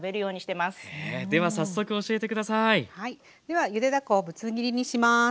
ではゆでだこをぶつ切りにします。